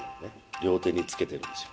両手につけてるんですよ。